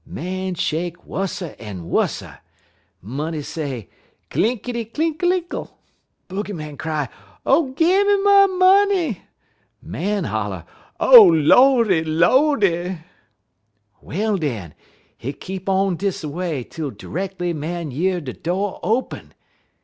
Man shake wusser en wusser. Money say: 'Clinkity, clinkalinkle!' Booger cry, 'Oh, gim me my money!' Man holler, 'O Lordy, Lordy!' "Well, den, hit keep on dis a way, tel dreckly Man year de do' open.